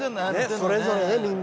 それぞれねみんな。